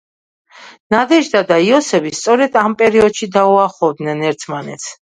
ნადეჟდა და იოსები სწორედ ამ პერიოდში დაუახლოვდნენ ერთმანეთს.